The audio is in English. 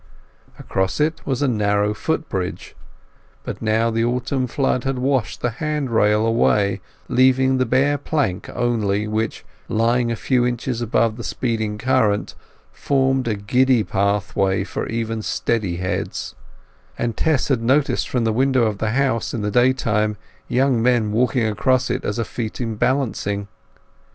Across it was a narrow foot bridge; but now the autumn flood had washed the handrail away, leaving the bare plank only, which, lying a few inches above the speeding current, formed a giddy pathway for even steady heads; and Tess had noticed from the window of the house in the day time young men walking across upon it as a feat in balancing.